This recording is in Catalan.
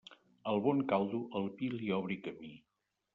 Al bon caldo, el vi li obri camí.